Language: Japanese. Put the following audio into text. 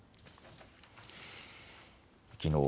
きのう